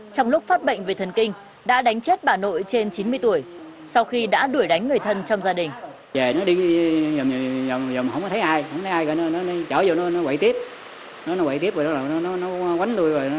trong lúc phát bệnh về thần kinh đã đánh chết bà nội trên chín mươi tuổi sau khi đã đuổi đánh người thân trong gia đình